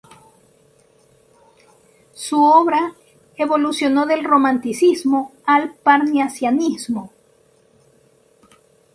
Su obra evolucionó del Romanticismo al Parnasianismo.